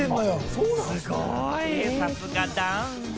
すごい、さすがだ。